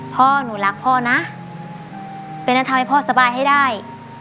พ่อหนูรักพ่อนะเป็นอันทำให้พ่อสบายให้ได้